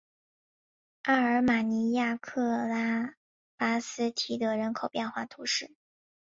阿尔马尼亚克拉巴斯提德人口变化图示